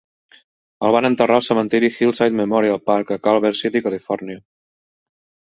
El van enterrar al cementeri Hillside Memorial Park, a Culver City, Califòrnia.